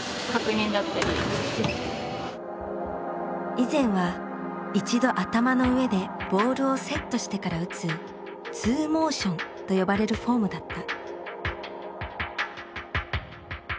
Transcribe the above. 以前は一度頭の上でボールをセットしてから打つツーモーションと呼ばれるフォームだった。